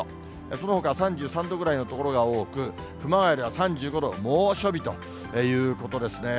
そのほか３３度ぐらいの所が多く、熊谷では３５度、猛暑日ということですね。